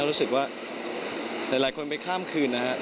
รู้สึกว่าหลายคนไปข้ามคืนนะฮะ